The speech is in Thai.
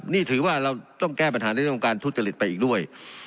นี่ถือว่าเราต้องแก้ปัญหาในเรื่องของการทุจริตไปอีกด้วย